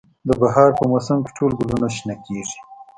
د بهار په موسم کې ټول ګلونه شنه کیږي